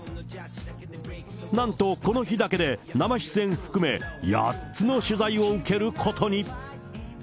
なんとこの日だけで生出演含め、８つの取材を受けることに。